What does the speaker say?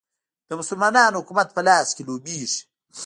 د مسلمانانو حکومت په لاس کې لوبیږي.